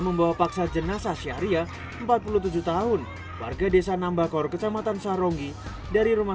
membawa paksa jenazah syahria empat puluh tujuh tahun warga desa nambakor kecamatan sahronggi dari rumah